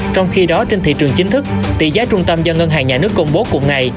trong khi đó trên thị trường chính thức tỷ giá trung tâm do ngân hàng nhà nước công bố cùng ngày